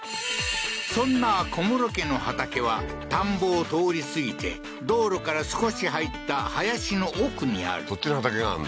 そんな小室家の畑は、田んぼを通り過ぎて、道路から少し入った林の奥にある。